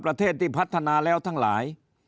ประเทศที่พัฒนาแล้วทั้งหลาย